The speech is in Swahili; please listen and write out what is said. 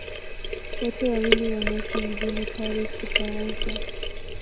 Wote wawili wanaishi mjini Paris, Ufaransa.